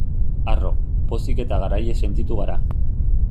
Harro, pozik eta garaile sentitu gara.